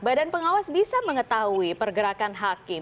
badan pengawas bisa mengetahui pergerakan hakim